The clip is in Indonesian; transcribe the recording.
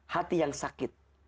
hati yang sakit